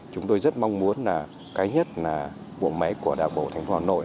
chúng tôi rất mong muốn là cái nhất là bộ máy của đảng bộ thành phố hà nội